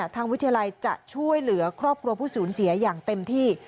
ทางวิทยาลัยจะช่วยเหลือครอบครัวผู้สูญเสียอย่างเต็มที่